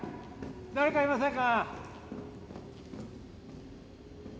誰かいませんか？